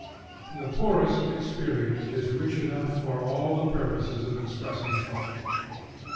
The poorest experience is rich enough for all the purposes of expressing thought.